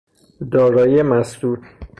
دارایی مسدود